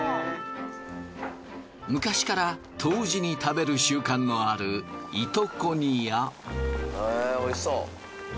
昔から冬至に食べる習慣のあるいとこ煮や。